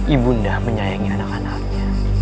ibunda menyayangi anak anaknya